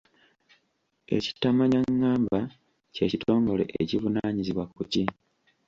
Ekitamanyangamba kye kitongole ekivunaanyizibwa ku ki?